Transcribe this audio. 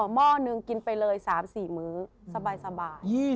หม้อหนึ่งกินไปเลย๓๔มื้อสบาย